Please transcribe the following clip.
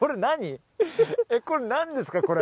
えっこれ何ですか？